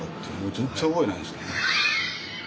全然覚えないんですけど。